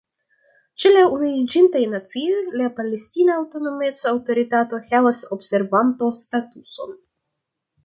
Ĉe la Unuiĝintaj Nacioj la Palestina Aŭtonomec-Aŭtoritato havas observanto-statuson.